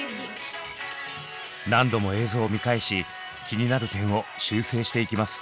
何度も映像を見返し気になる点を修正していきます。